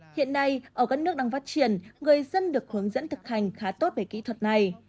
hiện nay ở các nước đang phát triển người dân được hướng dẫn thực hành khá tốt về kỹ thuật này